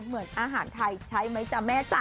เหมือนอาหารไทยใช่ไหมจ๊ะแม่จ๊ะ